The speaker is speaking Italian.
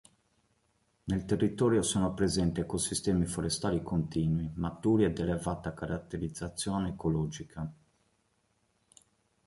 Nel territorio sono presenti ecosistemi forestali continui, maturi e di elevata caratterizzazione ecologica.